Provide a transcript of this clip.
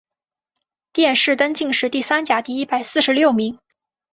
殿试登进士第三甲第一百四十六名。